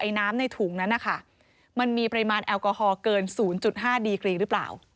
น้ำในถุงนั้นนะคะมันมีปริมาณแอลกอฮอลเกิน๐๕ดีกรีหรือเปล่า